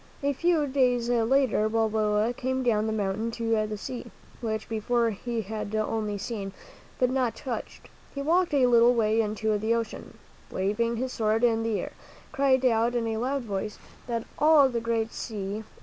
A few days later Balboa came down the mountain to the sea, which before he had only seen, but not touched. He walked a little way out into the ocean, and, waving his sword in the air, cried out in a loud voice that 'all that great sea and ' yg ■